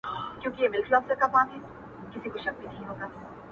نې مني جاهل افغان ګوره چي لا څه کیږي!!